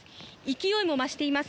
勢いも増しています。